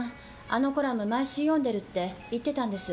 あのコラム毎週読んでるって言ってたんです。